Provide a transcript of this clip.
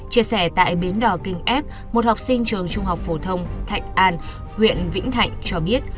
chia sẻ tại bến đò kênh f một học sinh trường trung học phổ thông thạch an huyện vĩnh thạnh cho biết